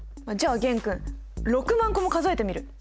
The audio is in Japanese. じゃあ玄君６万個も数えてみる？